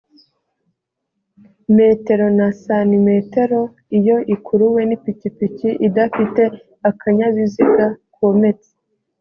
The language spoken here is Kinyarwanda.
metero na santimetero iyo ikuruwe n ipikipiki idafite akanyabiziga kometse